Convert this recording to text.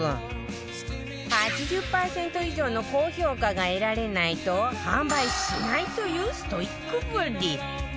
８０パーセント以上の高評価が得られないと販売しないというストイックぶり！